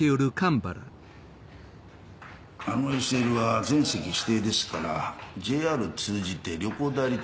あのＳＬは全席指定ですからＪＲを通じて旅行代理店